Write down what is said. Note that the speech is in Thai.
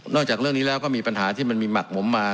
จากเรื่องนี้แล้วก็มีปัญหาที่มันมีหมักหมมมา